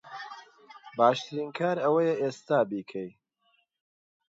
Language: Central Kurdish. باشترسن کار ئەوەیە ئێستا بیکەی